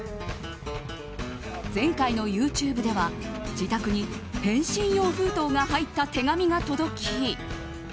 前回のＹｏｕＴｕｂｅでは自宅に返信用封筒が入った手紙が届き